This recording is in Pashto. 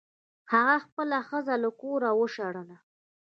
هغه خپله ښځه له کوره وشړله.